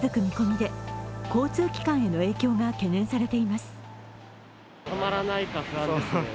見込みで交通機関への影響が懸念されています。